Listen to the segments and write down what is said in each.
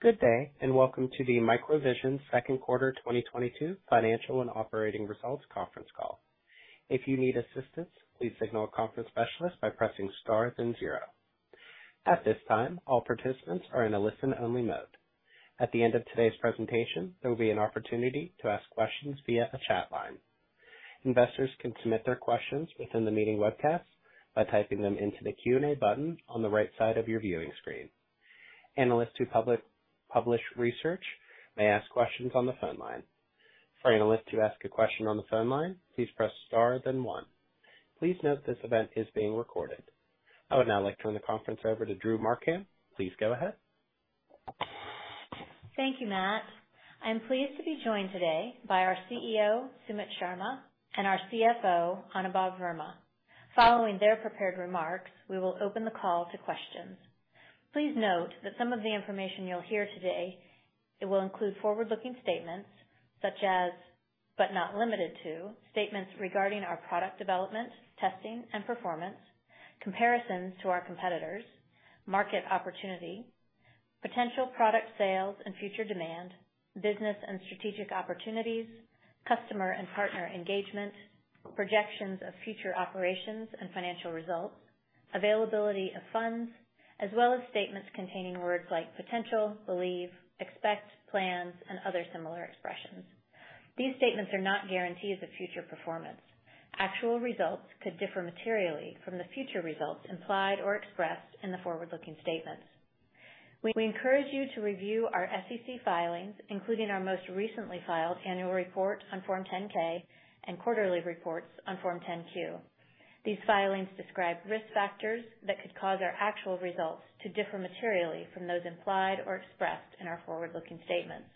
Good day, and welcome to the MicroVision second quarter 2022 financial and operating results conference call. If you need assistance, please signal a conference specialist by pressing star then zero. At this time, all participants are in a listen-only mode. At the end of today's presentation, there will be an opportunity to ask questions via a chat line. Investors can submit their questions within the meeting webcast by typing them into the Q&A button on the right side of your viewing screen. Analysts who publish research may ask questions on the phone line. For analysts to ask a question on the phone line, please press star then one. Please note this event is being recorded. I would now like to turn the conference over to Drew Markham. Please go ahead. Thank you, Matt. I'm pleased to be joined today by our CEO, Sumit Sharma, and our CFO, Anubhav Verma. Following their prepared remarks, we will open the call to questions. Please note that some of the information you'll hear today, it will include forward-looking statements such as, but not limited to, statements regarding our product development, testing and performance, comparisons to our competitors, market opportunity, potential product sales and future demand, business and strategic opportunities, customer and partner engagement, projections of future operations and financial results, availability of funds, as well as statements containing words like potential, believe, expect, plans, and other similar expressions. These statements are not guarantees of future performance. Actual results could differ materially from the future results implied or expressed in the forward-looking statements. We encourage you to review our SEC filings, including our most recently filed annual report on Form 10-K and quarterly reports on Form 10-Q. These filings describe risk factors that could cause our actual results to differ materially from those implied or expressed in our forward-looking statements.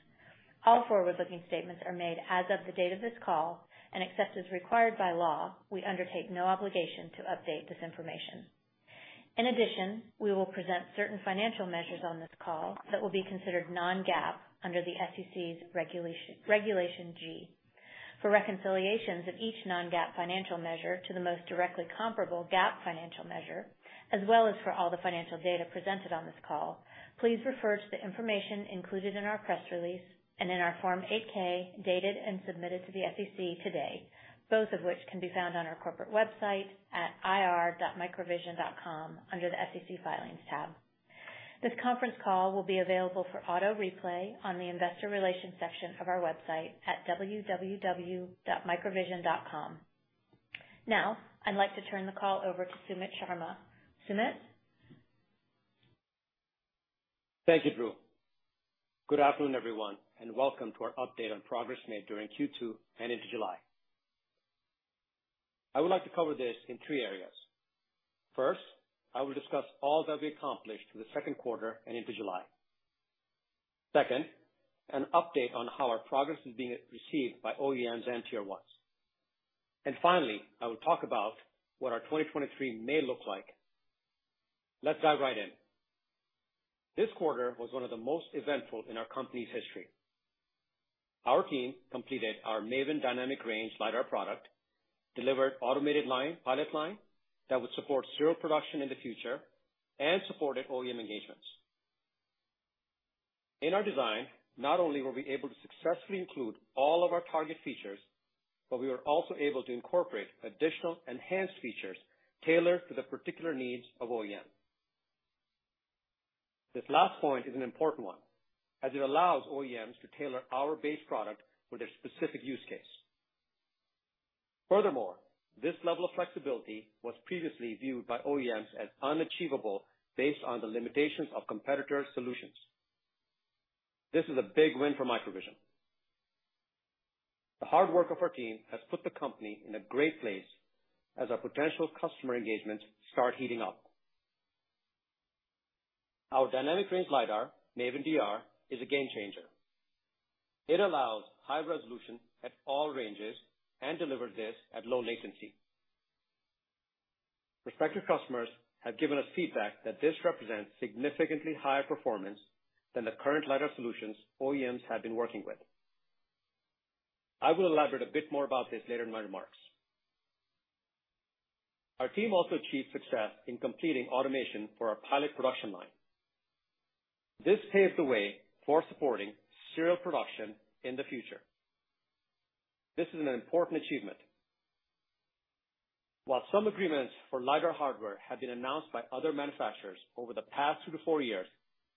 All forward-looking statements are made as of the date of this call, and except as required by law, we undertake no obligation to update this information. In addition, we will present certain financial measures on this call that will be considered non-GAAP under the SEC's regulation, Regulation G. For reconciliations of each non-GAAP financial measure to the most directly comparable GAAP financial measure, as well as for all the financial data presented on this call, please refer to the information included in our press release and in our Form 8-K dated and submitted to the SEC today, both of which can be found on our corporate website at ir.microvision.com under the SEC Filings tab. This conference call will be available for audio replay on the investor relations section of our website at www.microvision.com. Now, I'd like to turn the call over to Sumit Sharma. Sumit? Thank you, Drew. Good afternoon, everyone, and welcome to our update on progress made during Q2 and into July. I would like to cover this in three areas. First, I will discuss all that we accomplished in the second quarter and into July. Second, an update on how our progress is being received by OEMs and Tier 1s. Finally, I will talk about what our 2023 may look like. Let's dive right in. This quarter was one of the most eventful in our company's history. Our team completed our MAVIN Dynamic Range LiDAR product, delivered an automated pilot line that would support serial production in the future and supported OEM engagements. In our design, not only were we able to successfully include all of our target features, but we were also able to incorporate additional enhanced features tailored to the particular needs of OEM. This last point is an important one as it allows OEMs to tailor our base product for their specific use case. Furthermore, this level of flexibility was previously viewed by OEMs as unachievable based on the limitations of competitor solutions. This is a big win for MicroVision. The hard work of our team has put the company in a great place as our potential customer engagements start heating up. Our Dynamic Range LiDAR, MAVIN DR, is a game changer. It allows high resolution at all ranges and delivers this at low latency. Prospective customers have given us feedback that this represents significantly higher performance than the current LiDAR solutions OEMs have been working with. I will elaborate a bit more about this later in my remarks. Our team also achieved success in completing automation for our pilot production line. This paves the way for supporting serial production in the future. This is an important achievement. While some agreements for LiDAR hardware have been announced by other manufacturers over the past two to four years,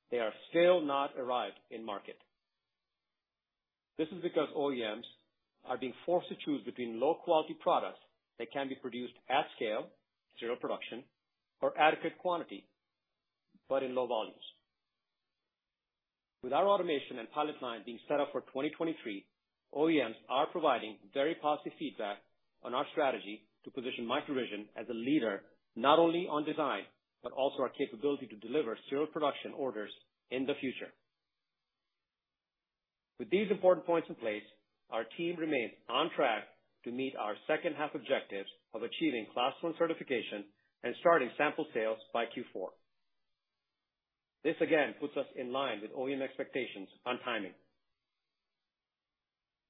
they are still not arrived in market. This is because OEMs are being forced to choose between low-quality products that can be produced at scale, serial production or adequate quantity, but in low volumes. With our automation and pilot line being set up for 2023, OEMs are providing very positive feedback on our strategy to position MicroVision as a leader, not only on design, but also our capability to deliver serial production orders in the future. With these important points in place, our team remains on track to meet our second half objectives of achieving Class 1 certification and starting sample sales by Q4. This again puts us in line with OEM expectations on timing.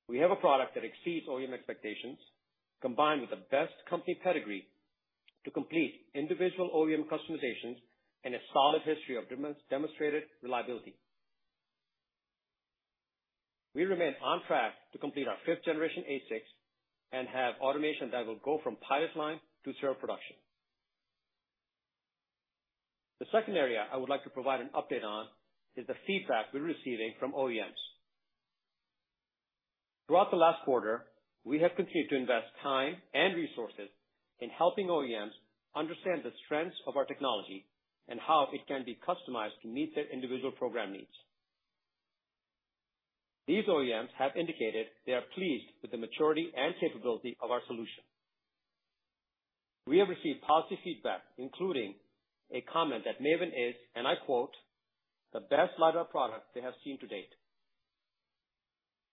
We have a product that exceeds OEM expectations, combined with the best company pedigree to complete individual OEM customizations and a solid history of demonstrated reliability. We remain on track to complete our fifth generation ASICs and have automation that will go from pilot line to serial production. The second area I would like to provide an update on is the feedback we're receiving from OEMs. Throughout the last quarter, we have continued to invest time and resources in helping OEMs understand the strengths of our technology and how it can be customized to meet their individual program needs. These OEMs have indicated they are pleased with the maturity and capability of our solution. We have received positive feedback, including a comment that MAVIN is, and I quote, "The best LiDAR product they have seen to date."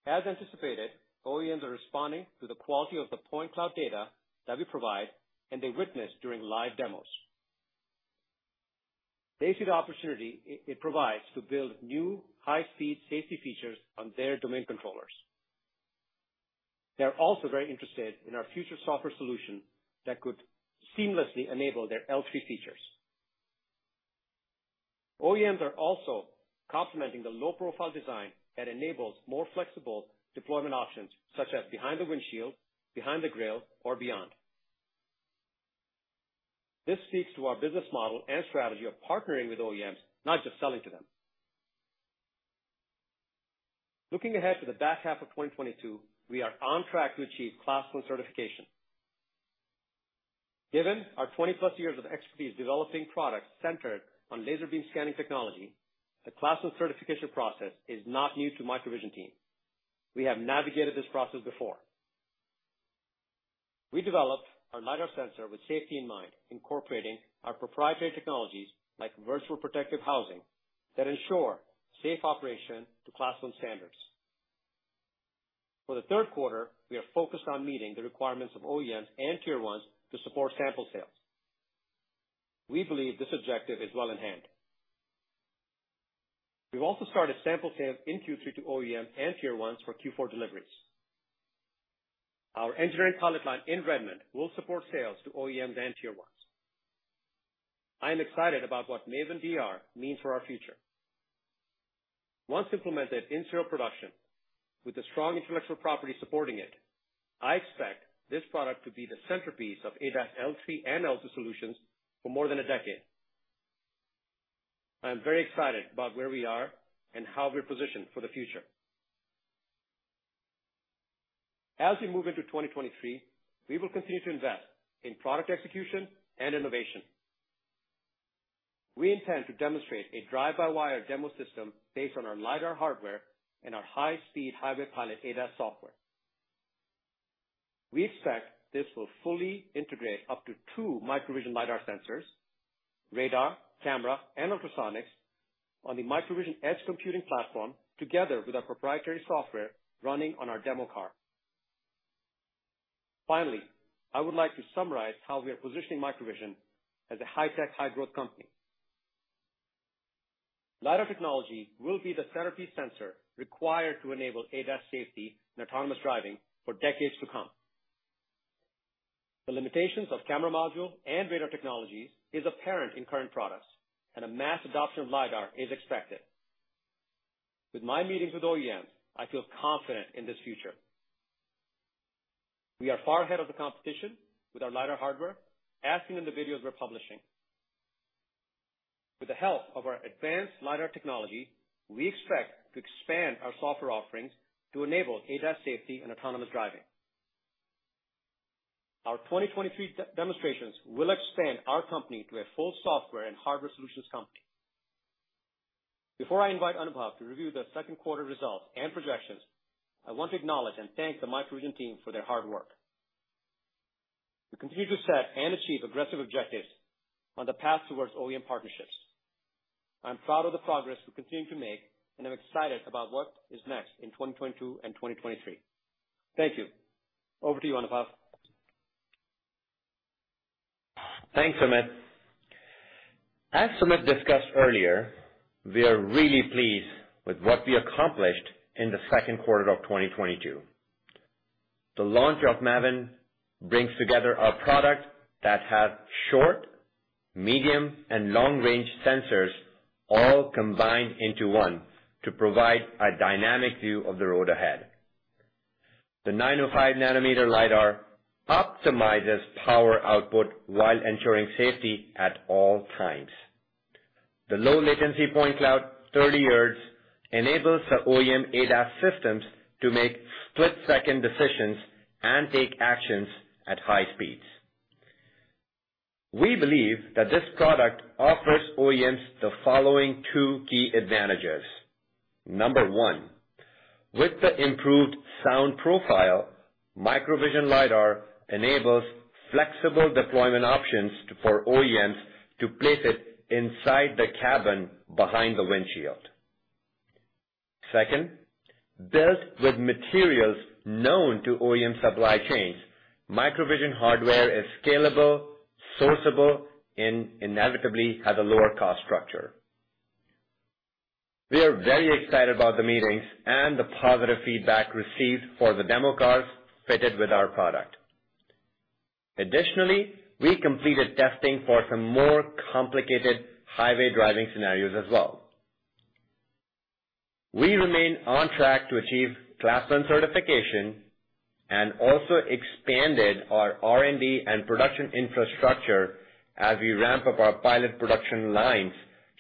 As anticipated, OEMs are responding to the quality of the point cloud data that we provide and they witnessed during live demos. They see the opportunity it provides to build new high-speed safety features on their domain controllers. They are also very interested in our future software solution that could seamlessly enable their L3 features. OEMs are also complimenting the low profile design that enables more flexible deployment options such as behind the windshield, behind the grill, or beyond. This speaks to our business model and strategy of partnering with OEMs, not just selling to them. Looking ahead to the back half of 2022, we are on track to achieve Class 1 certification. Given our 20 plus years of expertise developing products centered on laser beam scanning technology, the Class 1 certification process is not new to the MicroVision team. We have navigated this process before. We developed our LiDAR sensor with safety in mind, incorporating our proprietary technologies like Virtual Protective Housing that ensure safe operation to Class 1 standards. For the third quarter, we are focused on meeting the requirements of OEMs and Tier 1s to support sample sales. We believe this objective is well in hand. We've also started sample sales in Q3 to OEMs and Tier 1s for Q4 deliveries. Our engineering pilot line in Redmond will support sales to OEMs and Tier 1s. I am excited about what MAVIN DR means for our future. Once implemented in serial production with the strong intellectual property supporting it, I expect this product to be the centerpiece of ADAS L3 and L2 solutions for more than a decade. I am very excited about where we are and how we're positioned for the future. As we move into 2023, we will continue to invest in product execution and innovation. We intend to demonstrate a drive-by-wire demo system based on our LiDAR hardware and our high-speed Highway Pilot ADAS software. We expect this will fully integrate up to two MicroVision LiDAR sensors, radar, camera, and ultrasonics on the MicroVision edge computing platform together with our proprietary software running on our demo car. Finally, I would like to summarize how we are positioning MicroVision as a high-tech, high-growth company. LiDAR technology will be the centerpiece sensor required to enable ADAS safety and autonomous driving for decades to come. The limitations of camera module and radar technologies is apparent in current products, and a mass adoption of lidar is expected. With my meetings with OEMs, I feel confident in this future. We are far ahead of the competition with our lidar hardware, as seen in the videos we're publishing. With the help of our advanced lidar technology, we expect to expand our software offerings to enable ADAS safety and autonomous driving. Our 2023 demonstrations will expand our company to a full software and hardware solutions company. Before I invite Anubhav to review the second quarter results and projections, I want to acknowledge and thank the MicroVision team for their hard work. We continue to set and achieve aggressive objectives on the path towards OEM partnerships. I'm proud of the progress we continue to make, and I'm excited about what is next in 2022 and 2023. Thank you. Over to you, Anubhav. Thanks, Sumit. As Sumit discussed earlier, we are really pleased with what we accomplished in the second quarter of 2022. The launch of MAVIN brings together a product that has short, medium, and long-range sensors all combined into one to provide a dynamic view of the road ahead. The 905 nanometer LiDAR optimizes power output while ensuring safety at all times. The low latency point cloud, 30 hertz, enables the OEM ADAS systems to make split-second decisions and take actions at high speeds. We believe that this product offers OEMs the following two key advantages. Number one, with the improved sound profile, MicroVision LiDAR enables flexible deployment options for OEMs to place it inside the cabin behind the windshield. Second, built with materials known to OEM supply chains, MicroVision hardware is scalable, sourceable, and inevitably has a lower cost structure. We are very excited about the meetings and the positive feedback received for the demo cars fitted with our product. Additionally, we completed testing for some more complicated highway driving scenarios as well. We remain on track to achieve Class 1 certification and also expanded our R&D and production infrastructure as we ramp up our pilot production lines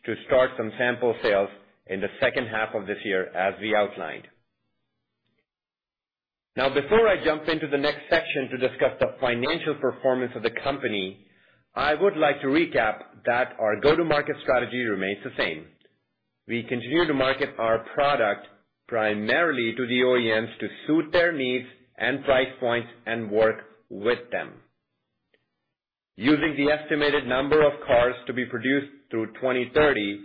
to start some sample sales in the second half of this year as we outlined. Now, before I jump into the next section to discuss the financial performance of the company, I would like to recap that our go-to-market strategy remains the same. We continue to market our product primarily to the OEMs to suit their needs and price points and work with them. Using the estimated number of cars to be produced through 2030,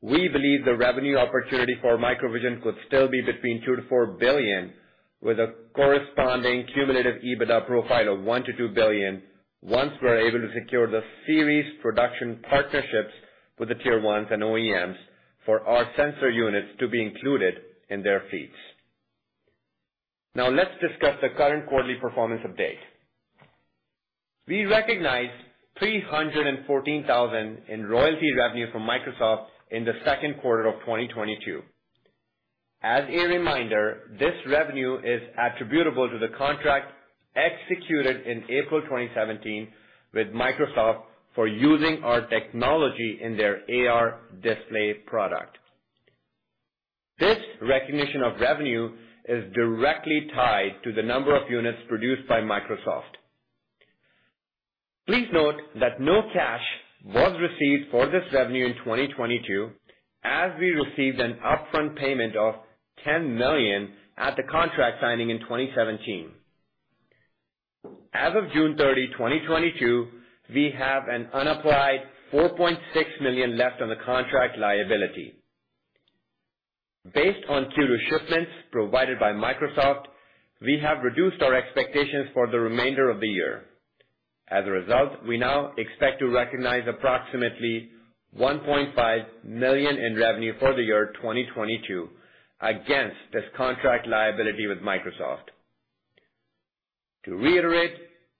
we believe the revenue opportunity for MicroVision could still be between $2 billion-$4 billion, with a corresponding cumulative EBITDA profile of $1 billion-$2 billion once we're able to secure the series production partnerships with the Tier 1 and OEMs for our sensor units to be included in their fleets. Now let's discuss the current quarterly performance update. We recognized $314,000 in royalty revenue from Microsoft in the second quarter of 2022. As a reminder, this revenue is attributable to the contract executed in April 2017 with Microsoft for using our technology in their AR display product. This recognition of revenue is directly tied to the number of units produced by Microsoft. Please note that no cash was received for this revenue in 2022, as we received an upfront payment of $10 million at the contract signing in 2017. As of June 30, 2022, we have an unapplied $4.6 million left on the contract liability. Based on Q2 shipments provided by Microsoft, we have reduced our expectations for the remainder of the year. As a result, we now expect to recognize approximately $1.5 million in revenue for the year 2022 against this contract liability with Microsoft. To reiterate,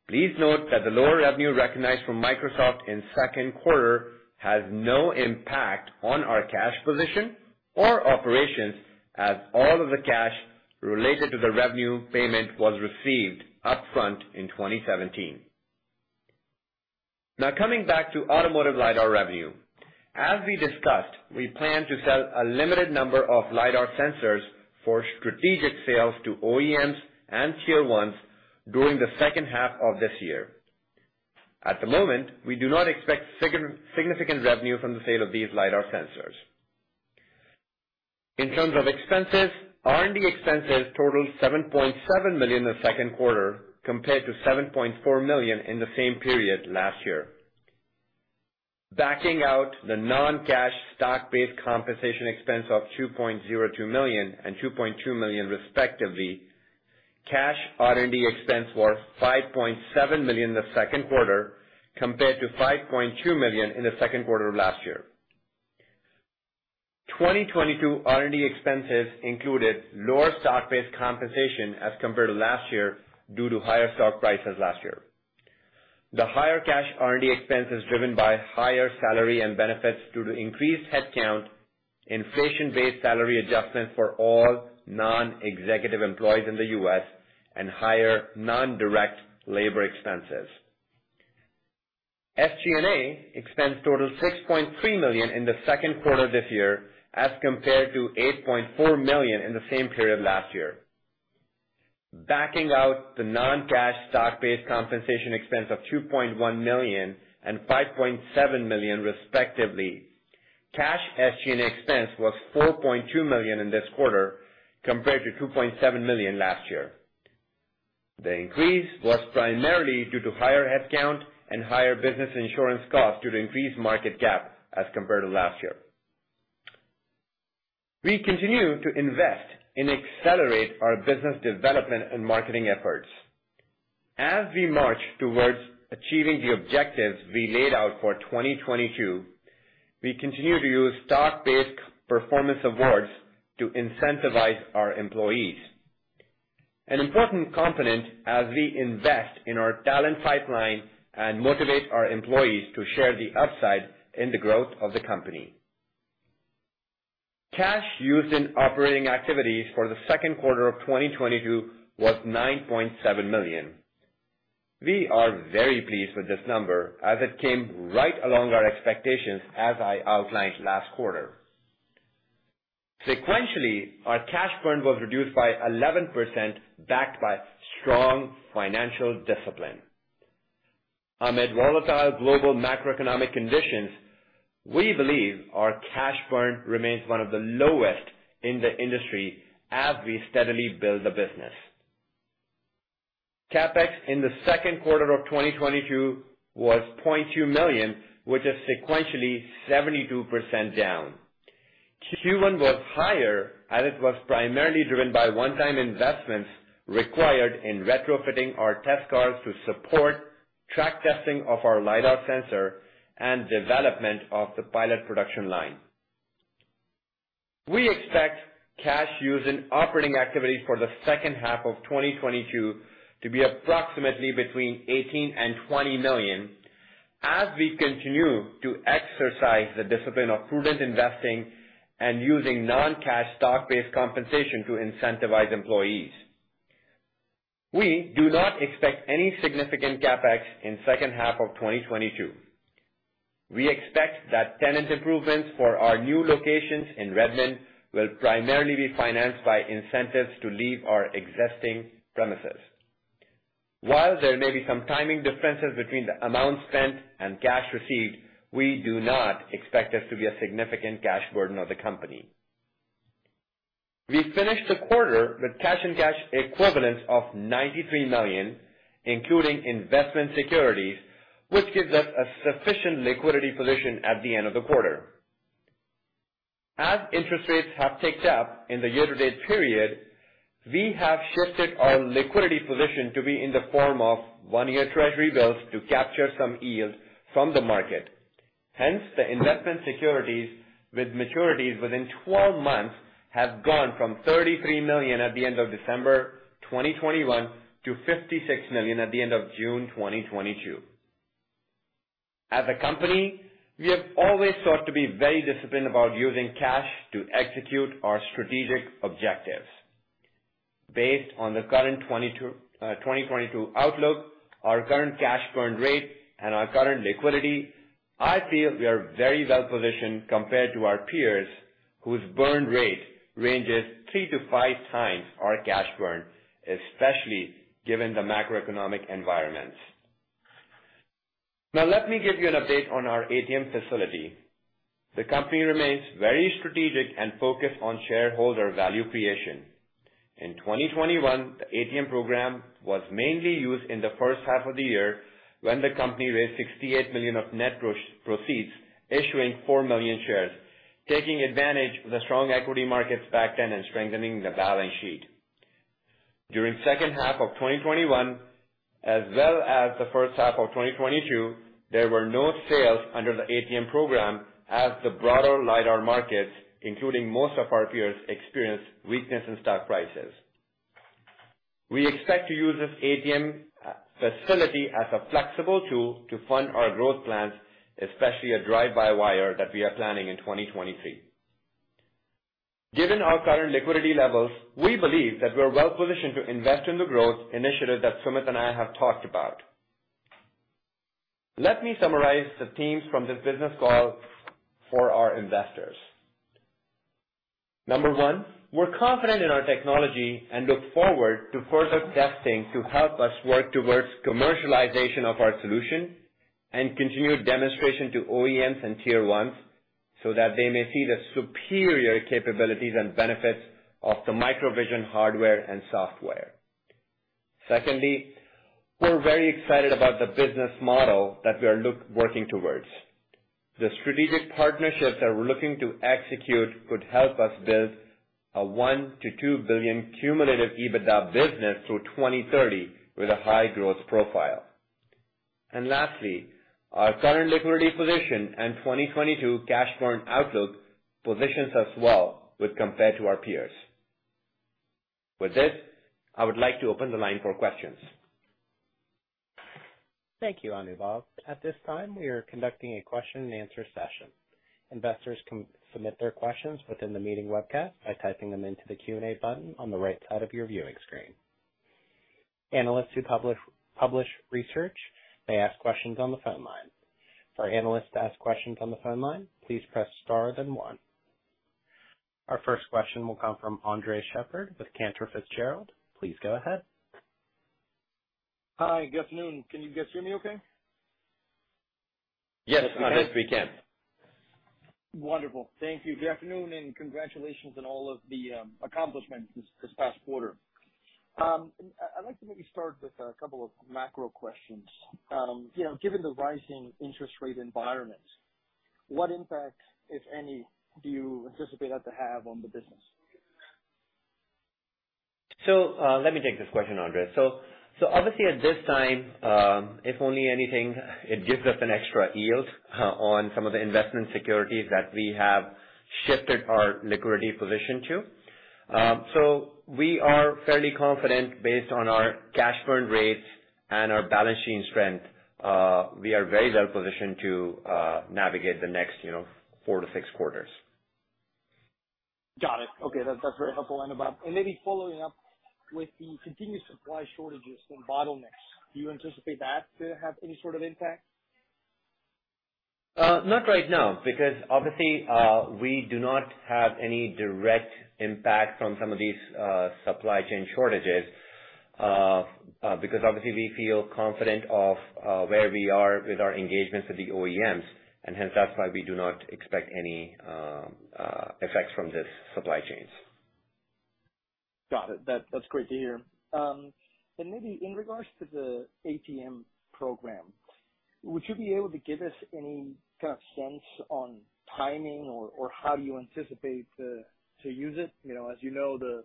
please note that the lower revenue recognized from Microsoft in second quarter has no impact on our cash position or operations, as all of the cash related to the revenue payment was received upfront in 2017. Now coming back to automotive LiDAR revenue. As we discussed, we plan to sell a limited number of LiDAR sensors for strategic sales to OEMs and Tier 1s during the second half of this year. At the moment, we do not expect significant revenue from the sale of these LiDAR sensors. In terms of expenses, R&D expenses totaled $7.7 million in the second quarter compared to $7.4 million in the same period last year. Backing out the non-cash stock-based compensation expense of $2.02 million and $2.2 million respectively, cash R&D expense was $5.7 million in the second quarter compared to $5.2 million in the second quarter of last year. 2022 R&D expenses included lower stock-based compensation as compared to last year due to higher stock prices last year. The higher cash R&D expense is driven by higher salary and benefits due to increased headcount, inflation-based salary adjustments for all non-executive employees in the U.S. and higher non-direct labor expenses. SG&A expense totaled $6.3 million in the second quarter this year as compared to $8.4 million in the same period last year. Backing out the non-cash stock-based compensation expense of $2.1 million and $5.7 million respectively, cash SG&A expense was $4.2 million in this quarter compared to $2.7 million last year. The increase was primarily due to higher headcount and higher business insurance costs due to increased market cap as compared to last year. We continue to invest and accelerate our business development and marketing efforts. As we march towards achieving the objectives we laid out for 2022, we continue to use stock-based performance awards to incentivize our employees, an important component as we invest in our talent pipeline and motivate our employees to share the upside in the growth of the company. Cash used in operating activities for the second quarter of 2022 was $9.7 million. We are very pleased with this number as it came right along our expectations as I outlined last quarter. Sequentially, our cash burn was reduced by 11%, backed by strong financial discipline. Amid volatile global macroeconomic conditions, we believe our cash burn remains one of the lowest in the industry as we steadily build the business. CapEx in the second quarter of 2022 was $0.2 million, which is sequentially 72% down. Q1 was higher, and it was primarily driven by one-time investments required in retrofitting our test cars to support track testing of our LiDAR sensor and development of the pilot production line. We expect cash used in operating activities for the second half of 2022 to be approximately between $18 million and $20 million as we continue to exercise the discipline of prudent investing and using non-cash stock-based compensation to incentivize employees. We do not expect any significant CapEx in second half of 2022. We expect that tenant improvements for our new locations in Redmond will primarily be financed by incentives to leave our existing premises. While there may be some timing differences between the amount spent and cash received, we do not expect there to be a significant cash burden of the company. We finished the quarter with cash and cash equivalents of $93 million, including investment securities, which gives us a sufficient liquidity position at the end of the quarter. As interest rates have ticked up in the year-to-date period, we have shifted our liquidity position to be in the form of one-year Treasury bills to capture some yield from the market. Hence, the investment securities with maturities within twelve months have gone from $33 million at the end of December 2021 to $56 million at the end of June 2022. As a company, we have always sought to be very disciplined about using cash to execute our strategic objectives. Based on the current 2022 outlook, our current cash burn rate and our current liquidity, I feel we are very well positioned compared to our peers whose burn rate ranges 3x-5x our cash burn, especially given the macroeconomic environments. Now, let me give you an update on our ATM facility. The company remains very strategic and focused on shareholder value creation. In 2021, the ATM program was mainly used in the first half of the year when the company raised $68 million of net proceeds, issuing 4 million shares, taking advantage of the strong equity markets back then and strengthening the balance sheet. During second half of 2021 as well as the first half of 2022, there were no sales under the ATM program as the broader LiDAR markets, including most of our peers, experienced weakness in stock prices. We expect to use this ATM facility as a flexible tool to fund our growth plans, especially a drive-by-wire that we are planning in 2023. Given our current liquidity levels, we believe that we're well positioned to invest in the growth initiative that Sumit and I have talked about. Let me summarize the themes from this business call for our investors. Number one, we're confident in our technology and look forward to further testing to help us work towards commercialization of our solution and continued demonstration to OEMs and Tier 1s so that they may see the superior capabilities and benefits of the MicroVision hardware and software. Secondly, we're very excited about the business model that we are working towards. The strategic partnerships that we're looking to execute could help us build a $1 billion-$2 billion cumulative EBITDA business through 2030 with a high growth profile. Lastly, our current liquidity position and 2022 cash burn outlook positions us well as compared to our peers. With this, I would like to open the line for questions. Thank you, Anubhav. At this time, we are conducting a question and answer session. Investors can submit their questions within the meeting webcast by typing them into the Q&A button on the right side of your viewing screen. Analysts who publish research may ask questions on the phone line. For analysts to ask questions on the phone line, please press star then one. Our first question will come from Andres Sheppard with Cantor Fitzgerald. Please go ahead. Hi. Good afternoon. Can you guys hear me okay? Yes, Andres. We can. Wonderful. Thank you. Good afternoon and congratulations on all of the accomplishments this past quarter. I'd like to maybe start with a couple of macro questions. You know, given the rising interest rate environment, what impact, if any, do you anticipate that to have on the business? Let me take this question, Andre. Obviously, at this time, if only anything, it gives us an extra yield on some of the investment securities that we have shifted our liquidity position to. We are fairly confident based on our cash burn rates and our balance sheet strength. We are very well positioned to navigate the next, you know, four to six quarters. Got it. Okay. That's very helpful, Anubhav. Maybe following up with the continued supply shortages and bottlenecks, do you anticipate that to have any sort of impact? Not right now, because obviously, we do not have any direct impact from some of these supply chain shortages, because obviously we feel confident of where we are with our engagements with the OEMs, and hence that's why we do not expect any effects from these supply chains. Got it. That's great to hear. Maybe in regards to the ATM program. Would you be able to give us any kind of sense on timing or how you anticipate to use it? You know, as you know, the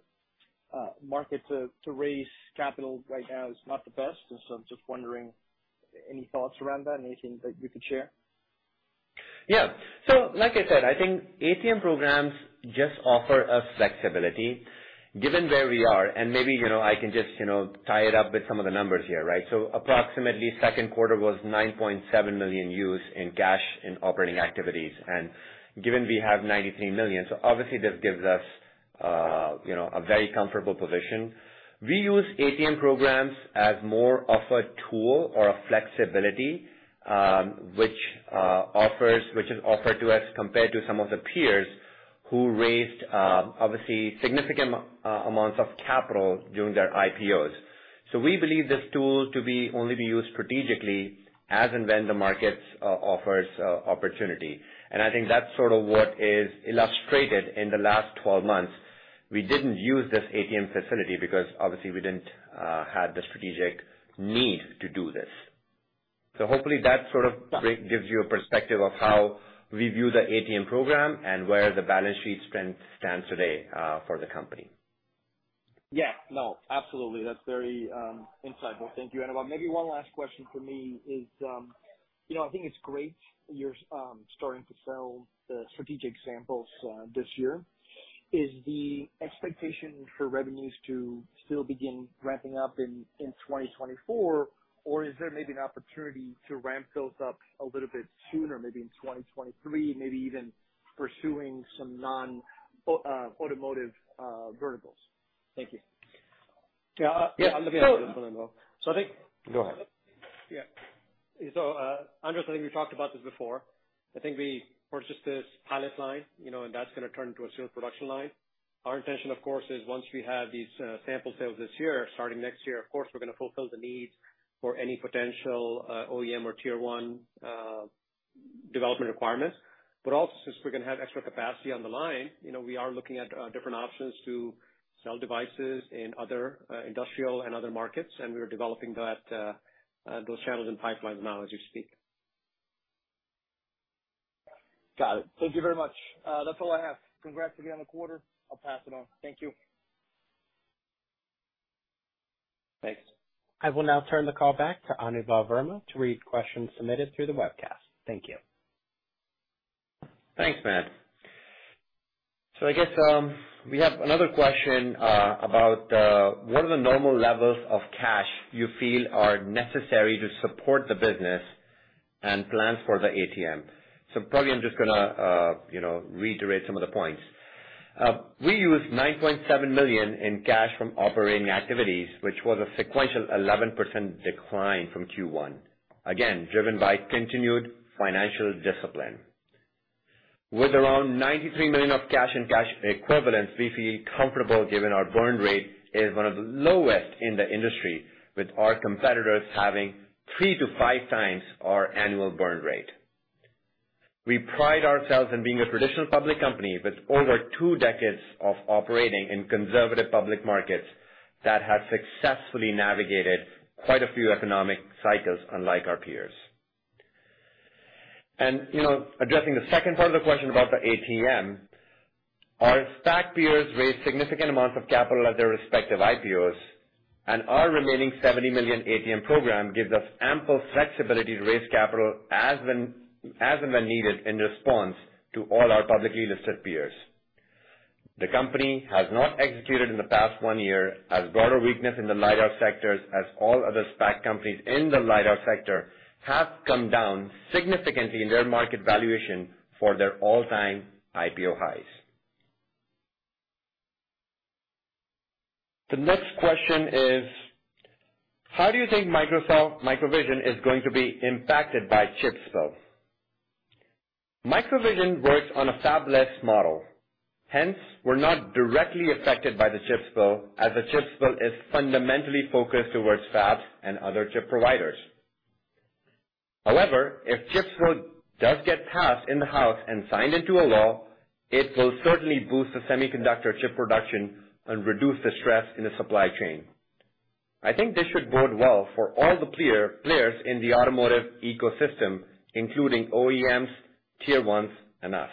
market to raise capital right now is not the best. I'm just wondering, any thoughts around that? Anything that you could share? Yeah. Like I said, I think ATM programs just offer us flexibility given where we are and maybe, you know, I can just, you know, tie it up with some of the numbers here, right? Approximately second quarter was $9.7 million used in cash and operating activities. Given we have $93 million, obviously this gives us, you know, a very comfortable position. We use ATM programs as more of a tool or a flexibility, which is offered to us compared to some of the peers who raised obviously significant amounts of capital during their IPOs. We believe this tool to be used strategically as and when the market offers opportunity. I think that's sort of what is illustrated in the last 12 months. We didn't use this ATM facility because obviously we didn't have the strategic need to do this. Hopefully that sort of gives you a perspective of how we view the ATM program and where the balance sheet spend stands today for the company. Yeah, no, absolutely. That's very insightful. Thank you, Anubhav. Maybe one last question for me is, you know, I think it's great you're starting to sell the strategic samples this year. Is the expectation for revenues to still begin ramping up in 2024 or is there maybe an opportunity to ramp those up a little bit sooner, maybe in 2023, maybe even pursuing some non-automotive verticals? Thank you. Yeah. Let me add to this one as well. Go ahead. Yeah. Andres, I think we talked about this before. I think we purchased this pilot line, you know, and that's gonna turn into a serial production line. Our intention, of course, is once we have these sample sales this year, starting next year, of course, we're gonna fulfill the needs for any potential OEM or Tier 1 development requirements. Also since we're gonna have extra capacity on the line, you know, we are looking at different options to sell devices in other industrial and other markets, and we are developing those channels and pipelines now as we speak. Got it. Thank you very much. That's all I have. Congrats again on the quarter. I'll pass it on. Thank you. Thanks. I will now turn the call back to Anubhav Verma to read questions submitted through the webcast. Thank you. Thanks, Matt. I guess we have another question about what are the normal levels of cash you feel are necessary to support the business and plans for the ATM. Probably I'm just gonna you know reiterate some of the points. We used $9.7 million in cash from operating activities, which was a sequential 11% decline from Q1, again, driven by continued financial discipline. With around $93 million of cash and cash equivalents, we feel comfortable given our burn rate is one of the lowest in the industry, with our competitors having 3x-5x our annual burn rate. We pride ourselves in being a traditional public company with over two decades of operating in conservative public markets that have successfully navigated quite a few economic cycles unlike our peers. You know, addressing the second part of the question about the ATM, our SPAC peers raised significant amounts of capital at their respective IPOs, and our remaining $70 million ATM program gives us ample flexibility to raise capital as and when needed in response to all our publicly listed peers. The company has not executed in the past one year as broader weakness in the LiDAR sector as all other SPAC companies in the LiDAR sector have come down significantly in their market valuation from their all-time IPO highs. The next question is, how do you think MicroVision is going to be impacted by CHIPS Bill? MicroVision works on a fabless model, hence we're not directly affected by the CHIPS Bill, as the CHIPS Bill is fundamentally focused towards fabs and other chip providers. However, if CHIPS and Science Act does get passed in the House and signed into a law, it will certainly boost the semiconductor chip production and reduce the stress in the supply chain. I think this should bode well for all the players in the automotive ecosystem, including OEMs, Tier 1s, and us.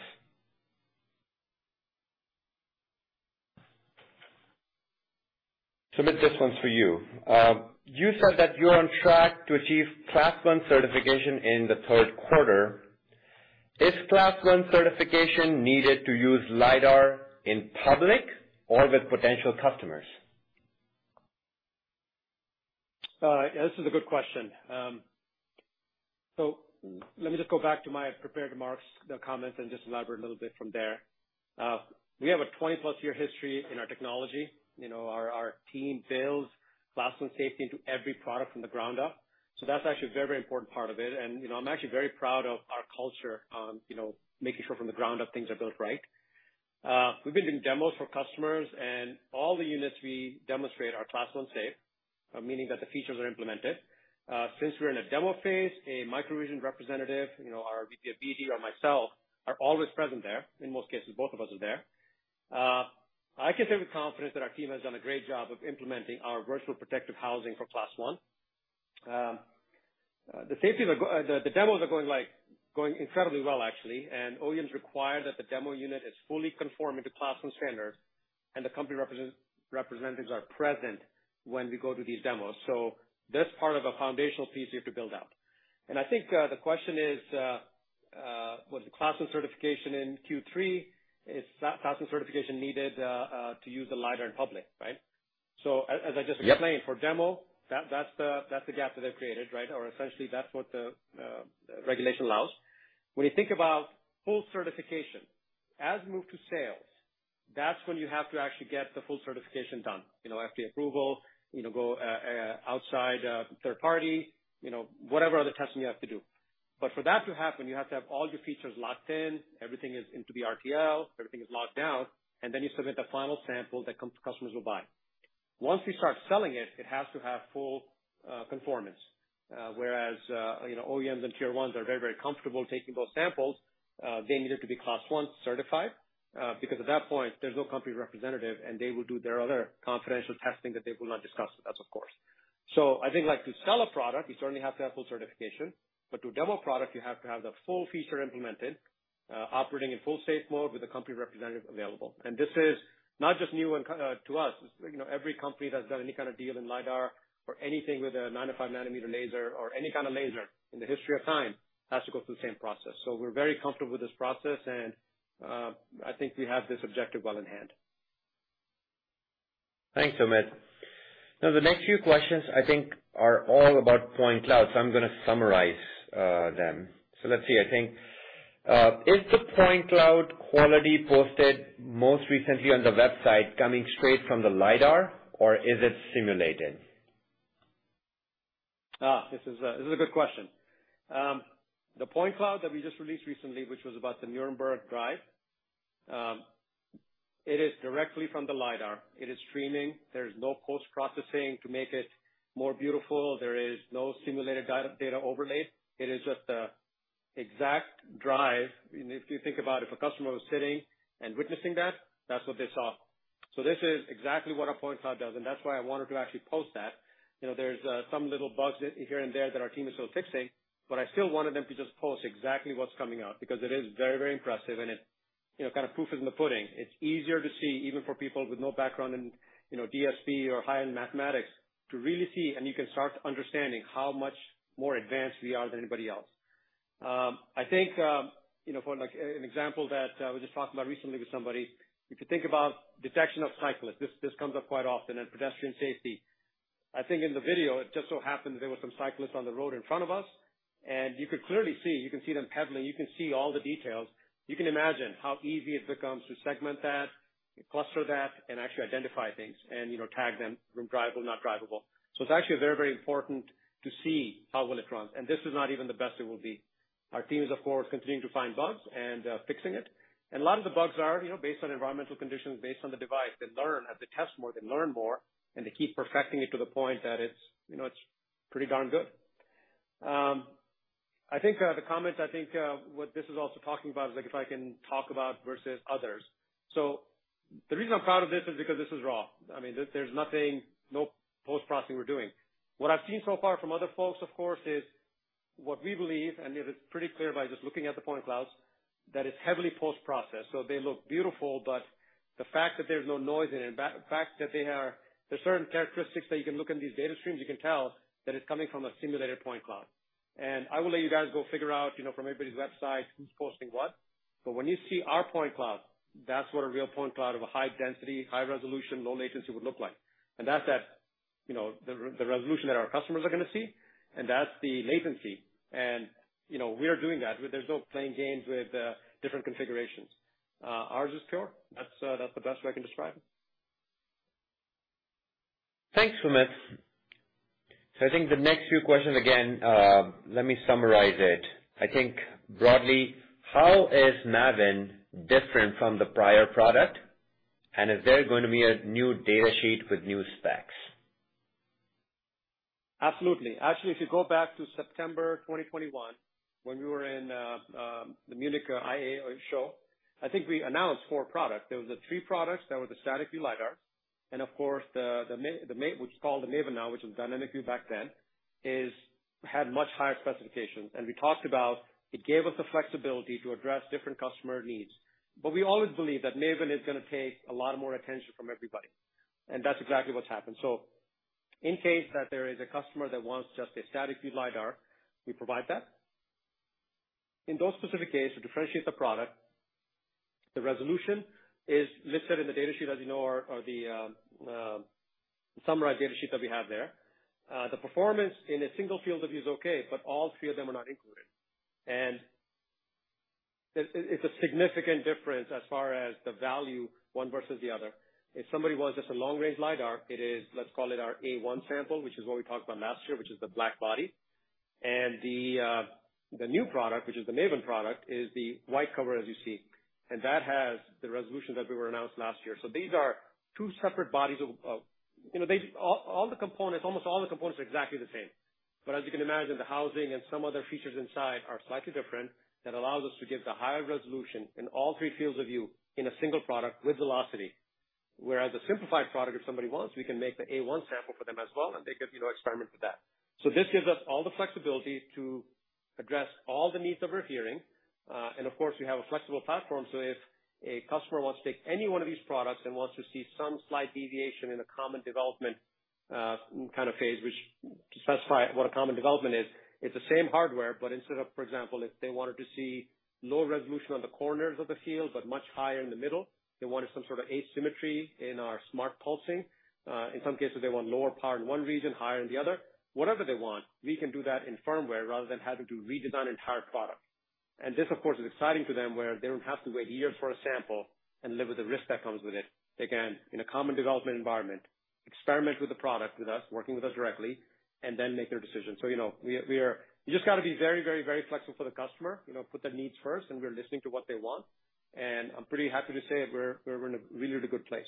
Sumit, this one's for you. You said that you're on track to achieve Class 1 certification in the third quarter. Is Class 1 certification needed to use LiDAR in public or with potential customers? Yeah, this is a good question. Let me just go back to my prepared remarks, the comments, and just elaborate a little bit from there. We have a 20 plus year history in our technology. You know, our team builds Class 1 safety into every product from the ground up. That's actually a very important part of it. You know, I'm actually very proud of our culture on, you know, making sure from the ground up things are built right. We've been doing demos for customers, and all the units we demonstrate are Class 1 safe, meaning that the features are implemented. Since we're in a demo phase, a MicroVision representative, you know, our VP of BD or myself are always present there. In most cases, both of us are there. I can say with confidence that our team has done a great job of implementing our Virtual Protective Housing for Class 1. The demos are going incredibly well, actually, and OEMs require that the demo unit is fully conforming to Class 1 standards and the company representatives are present when we go to these demos. That's part of a foundational piece you have to build out. I think the question is, was the Class 1 certification in Q3, is that Class 1 certification needed to use the LiDAR in public, right? As I just explained. Yep. For demo, that's the gap that they've created, right? Or essentially that's what the regulation allows. When you think about full certification, as we move to sales, that's when you have to actually get the full certification done. You know, FDA approval, you know, go outside, third party, you know, whatever other testing you have to do. For that to happen, you have to have all your features locked in, everything is into the RTL, everything is locked down, and then you submit the final sample that customers will buy. Once we start selling it has to have full conformance. Whereas, you know, OEMs and Tier 1 are very, very comfortable taking those samples, they need it to be Class 1 certified, because at that point, there's no company representative and they will do their other confidential testing that they will not discuss with us, of course. I think, like, to sell a product, you certainly have to have full certification, but to demo a product, you have to have the full feature implemented, operating in full safe mode with a company representative available. This is not just new to us. You know, every company that's done any kind of deal in lidar or anything with a 905 nanometer laser or any kind of laser in the history of time has to go through the same process. We're very comfortable with this process and I think we have this objective well in hand. Thanks, Sumit. Now the next few questions I think are all about point cloud, so I'm gonna summarize them. Let's see. I think is the point cloud quality posted most recently on the website coming straight from the LiDAR or is it simulated? This is a good question. The point cloud that we just released recently, which was about the Nuremberg drive, it is directly from the LiDAR. It is streaming. There's no post-processing to make it more beautiful. There is no simulated data overlay. It is just the exact drive. If you think about if a customer was sitting and witnessing that's what they saw. This is exactly what our point cloud does, and that's why I wanted to actually post that. You know, there's some little bugs here and there that our team is still fixing, but I still wanted them to just post exactly what's coming out because it is very, very impressive and it's, you know, kind of proof is in the pudding. It's easier to see, even for people with no background in, you know, DSP or high-end mathematics, to really see and you can start understanding how much more advanced we are than anybody else. I think, you know, for like, an example that I was just talking about recently with somebody, if you think about detection of cyclists, this comes up quite often, and pedestrian safety. I think in the video, it just so happened there were some cyclists on the road in front of us, and you could clearly see, you can see them pedaling, you can see all the details. You can imagine how easy it becomes to segment that, cluster that, and actually identify things and, you know, tag them from drivable, not drivable. It's actually very, very important to see how well it runs, and this is not even the best it will be. Our team is of course continuing to find bugs and fixing it. A lot of the bugs are, you know, based on environmental conditions, based on the device. They learn, as they test more, and they keep perfecting it to the point that it's, you know, it's pretty darn good. I think the comment. I think what this is also talking about is, like, if I can talk about versus others. The reason I'm proud of this is because this is raw. I mean, there's nothing, no post-processing we're doing. What I've seen so far from other folks, of course, is what we believe, and it is pretty clear by just looking at the point clouds, that it's heavily post-processed. They look beautiful, but the fact that there's no noise in it, the fact that there's certain characteristics that you can look in these data streams, you can tell that it's coming from a simulated point cloud. I will let you guys go figure out, you know, from everybody's website who's posting what. When you see our point cloud, that's what a real point cloud of a high density, high resolution, low latency would look like. That's that, you know, the resolution that our customers are gonna see, and that's the latency. You know, we are doing that. There's no playing games with different configurations. Ours is pure. That's the best way I can describe. Thanks, Sumit. I think the next few questions, again, let me summarize it. I think broadly, how is MAVIN different from the prior product? And is there going to be a new data sheet with new specs? Absolutely. Actually, if you go back to September 2021, when we were in the Munich IAA show, I think we announced four products. There was the three products that were the static view LiDAR, and of course what's called the MAVIN now, which was dynamic view back then, has had much higher specifications. We talked about it gave us the flexibility to address different customer needs. We always believed that MAVIN is gonna take a lot more attention from everybody, and that's exactly what's happened. In case that there is a customer that wants just a static view LiDAR, we provide that. In those specific case, to differentiate the product, the resolution is listed in the data sheet as you know or the summarized data sheet that we have there. The performance in a single field of view is okay, but all three of them are not included. It's a significant difference as far as the value, one versus the other. If somebody wants just a long-range LiDAR, it is. Let's call it our A1 sample, which is what we talked about last year, which is the black body. The new product, which is the MAVIN product, is the white cover as you see. That has the resolution that we announced last year. These are two separate bodies of, you know, all the components. Almost all the components are exactly the same. As you can imagine, the housing and some other features inside are slightly different. That allows us to give the higher resolution in all three fields of view in a single product with velocity. A simplified product, if somebody wants, we can make the A1 sample for them as well, and they could, you know, experiment with that. This gives us all the flexibility to address all the needs of our hearing. Of course, we have a flexible platform, if a customer wants to take any one of these products and wants to see some slight deviation in the common development, kind of phase, which to specify what a common development is, it's the same hardware, but instead of, for example, if they wanted to see lower resolution on the corners of the field, but much higher in the middle, they wanted some sort of asymmetry in our smart pulsing. In some cases, they want lower power in one region, higher in the other. Whatever they want, we can do that in firmware rather than having to redesign entire product. This, of course, is exciting to them, where they don't have to wait years for a sample and live with the risk that comes with it. They can, in a common development environment, experiment with the product with us, working with us directly, and then make their decision. You know, we are. You just gotta be very, very, very flexible for the customer. You know, put their needs first, and we're listening to what they want. I'm pretty happy to say we're in a really good place.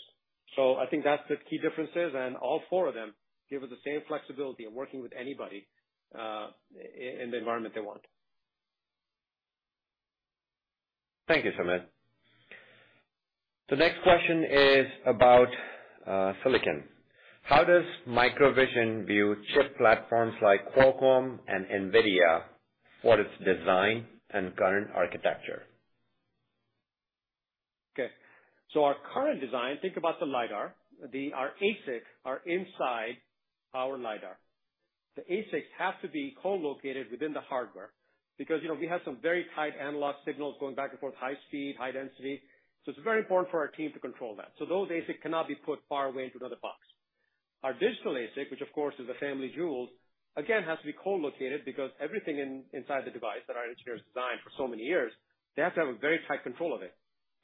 I think that's the key differences. All four of them give us the same flexibility of working with anybody in the environment they want. Thank you, Sumit. The next question is about silicon. How does MicroVision view chip platforms like Qualcomm and NVIDIA for its design and current architecture? Our current design, think about the LiDAR. Our ASICs are inside our LiDAR. The ASICs have to be co-located within the hardware because, you know, we have some very tight analog signals going back and forth, high speed, high density. It's very important for our team to control that. Those ASICs cannot be put far away into another box. Our digital ASIC, which of course is a family jewel, again, has to be co-located because everything in, inside the device that our engineers designed for so many years, they have to have a very tight control of it.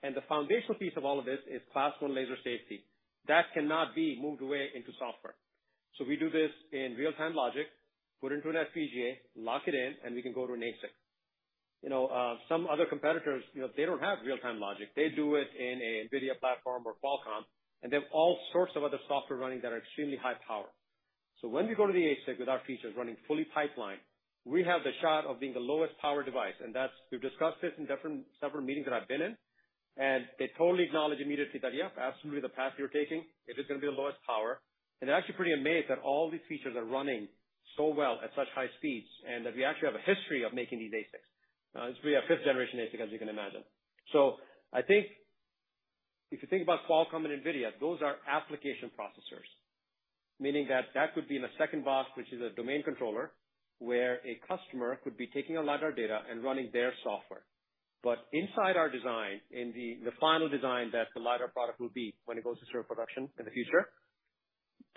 The foundational piece of all of this is Class 1 laser safety. That cannot be moved away into software. We do this in real-time logic, put into an FPGA, lock it in, and we can go to an ASIC. You know, some other competitors, you know, they don't have real-time logic. They do it in a NVIDIA platform or Qualcomm, and they have all sorts of other software running that are extremely high power. When we go to the ASIC with our features running fully pipelined, we have the shot of being the lowest power device. That's, we've discussed this in different, several meetings that I've been in, and they totally acknowledge immediately that, "Yep, absolutely the path you're taking, it is gonna be the lowest power." They're actually pretty amazed that all these features are running so well at such high speeds, and that we actually have a history of making these ASICs. It's really a fifth generation ASIC, as you can imagine. I think if you think about Qualcomm and NVIDIA, those are application processors, meaning that that could be in a second box, which is a domain controller, where a customer could be taking a LiDAR data and running their software. Inside our design, in the final design that the LiDAR product will be when it goes to serial production in the future,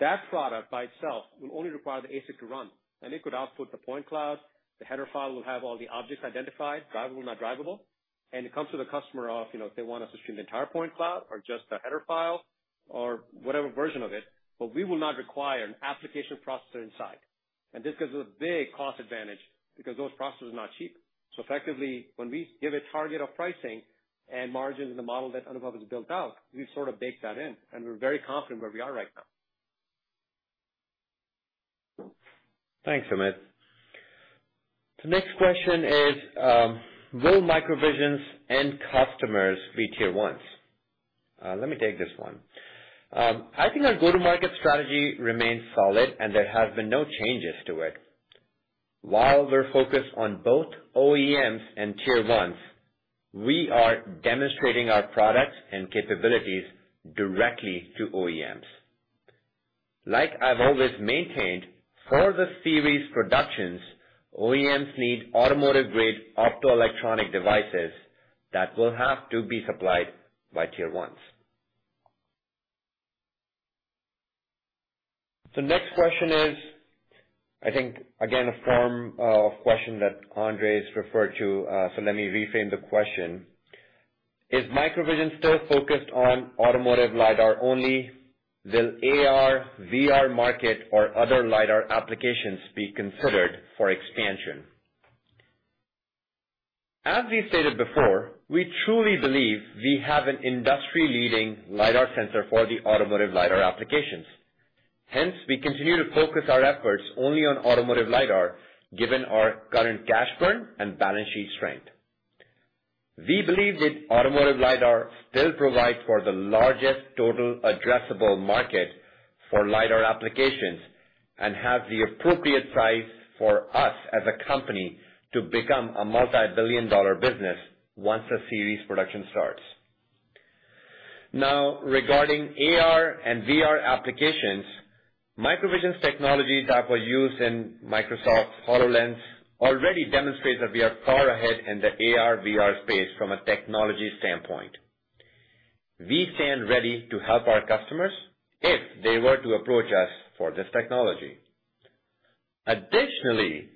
that product by itself will only require the ASIC to run, and it could output the point cloud. The header file will have all the objects identified, drivable, not drivable. It comes to the customer of, you know, if they want us to stream the entire point cloud or just the header file or whatever version of it, but we will not require an application processor inside. This gives us a big cost advantage because those processors are not cheap. Effectively, when we give a target of pricing and margins in the model that Anubhav has built out, we sort of bake that in, and we're very confident where we are right now. Thanks, Sumit. The next question is, will MicroVision's end customers be Tier 1s? Let me take this one. I think our go-to-market strategy remains solid and there have been no changes to it. While we're focused on both OEMs and Tier 1s, we are demonstrating our products and capabilities directly to OEMs. Like I've always maintained, for the series productions, OEMs need automotive-grade optoelectronic devices that will have to be supplied by Tier 1s. The next question is, I think, again, a firm question that Andres has referred to, so let me reframe the question. Is MicroVision still focused on automotive LiDAR only? Will AR, VR market or other LiDAR applications be considered for expansion? As we stated before, we truly believe we have an industry-leading LiDAR sensor for the automotive LiDAR applications. Hence, we continue to focus our efforts only on automotive LiDAR, given our current cash burn and balance sheet strength. We believe that automotive LiDAR still provides for the largest total addressable market for LiDAR applications and have the appropriate size for us as a company to become a multi-billion dollar business once the series production starts. Now, regarding AR and VR applications, MicroVision's technology that was used in Microsoft HoloLens already demonstrates that we are far ahead in the AR/VR space from a technology standpoint. We stand ready to help our customers if they were to approach us for this technology. Additionally,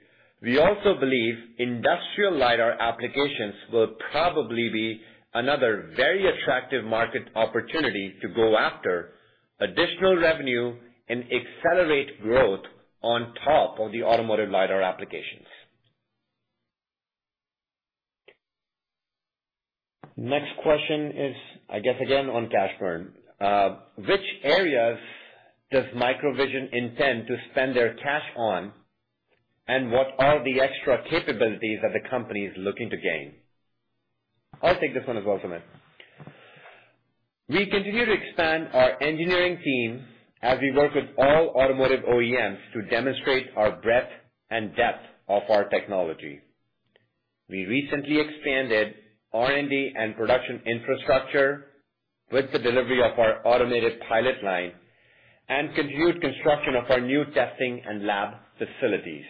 we also believe industrial LiDAR applications will probably be another very attractive market opportunity to go after additional revenue and accelerate growth on top of the automotive LiDAR applications. Next question is, I guess, again, on cash burn. Which areas does MicroVision intend to spend their cash on, and what are the extra capabilities that the company is looking to gain? I'll take this one as well, Sumit. We continue to expand our engineering team as we work with all automotive OEMs to demonstrate our breadth and depth of our technology. We recently expanded R&D and production infrastructure with the delivery of our automated pilot line and continued construction of our new testing and lab facilities.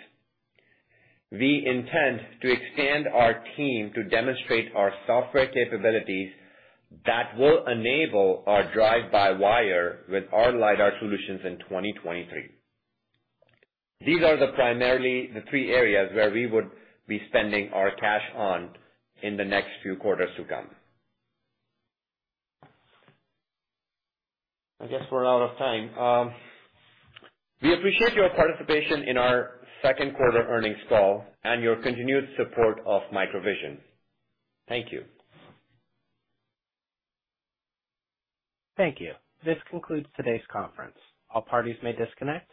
We intend to expand our team to demonstrate our software capabilities that will enable our drive-by-wire with our LiDAR solutions in 2023. These are primarily the three areas where we would be spending our cash on in the next few quarters to come. I guess we're out of time. We appreciate your participation in our second quarter earnings call and your continued support of MicroVision. Thank you. Thank you. This concludes today's conference. All parties may disconnect.